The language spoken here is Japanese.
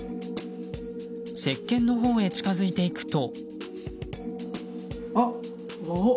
せっけんのほうへ近づいていくと。